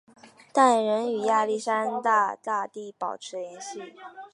但仍与亚历山大大帝保持联系。